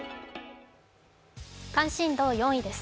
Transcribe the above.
関心度４位です。